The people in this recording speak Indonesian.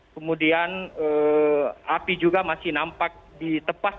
kemudian api juga masih nampak di tepat